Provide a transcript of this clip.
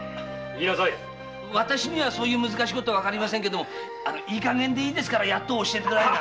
私には難しいことはわかりませんけどいいかげんでいいから“やっとう”を教えてくださいよ。